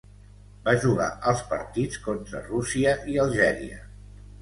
Va jugar als partits contra Rússia i Algèria.